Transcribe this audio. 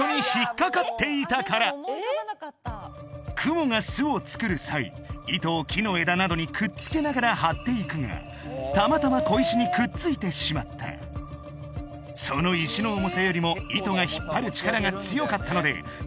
クモが巣を作る際糸を木の枝などにくっつけながら張っていくがたまたま小石にくっついてしまったその石の重さよりも糸が引っ張る力が強かったので小石が宙に浮き風に吹かれることによって